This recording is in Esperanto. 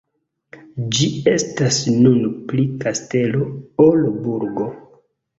Ĝi estas nun pli kastelo ol burgo.